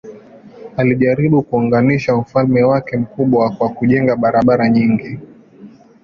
Alijaribu kuunganisha ufalme wake mkubwa kwa kujenga barabara nyingi.